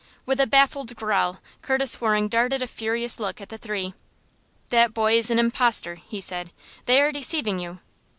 With a baffled growl Curtis Waring darted a furious look at the three. "That boy is an impostor," he said. "They are deceiving you."